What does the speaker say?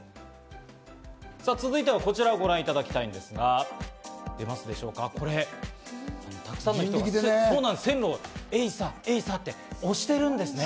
続いては、こちらをご覧いただきたいんですが、沢山の人が線路をエイサ、エイサって押してるんです。